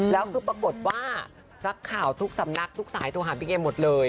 แล้วคือปรากฏว่านักข่าวทุกสำนักทุกสายโทรหาพี่เกมหมดเลย